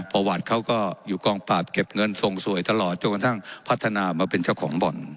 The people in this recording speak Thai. ประวัติเขาก็อยู่กองปราบเก็บเงินส่งสวยตลอดจนกระทั่งพัฒนามาเป็นเจ้าของบ่อน